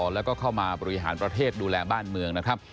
แล้วก็เข้ามาบริหารประเทศดูแลบ้านเมืองนะครับ